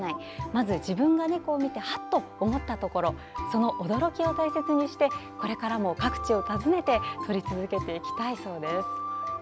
まず自分が猫を見てはっと思ったところその驚きを大切にしてこれからも各地を訪ねて撮り続けていきたいそうです。